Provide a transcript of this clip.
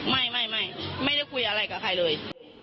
ไม่ไม่ได้คุยอะไรกับใครเลย